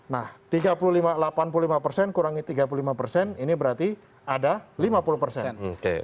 nah delapan puluh lima persen kurangi tiga puluh lima persen ini berarti ada lima puluh persen